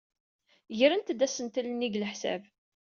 Grent-d asentel-nni deg leḥsab.